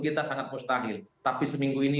kita sangat mustahil tapi seminggu ini